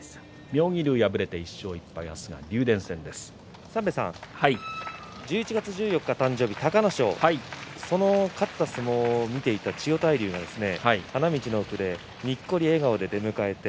妙義龍敗れて１１月１４日誕生日の隆の勝勝った相撲を見ていた千代大龍が花道の奥でにっこり笑顔で出迎えました。